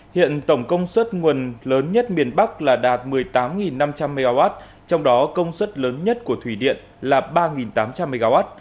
hiện tổng công suất nguồn lớn nhất miền bắc là đạt một mươi tám năm trăm linh mw trong đó công suất lớn nhất của thủy điện là ba tám trăm linh mw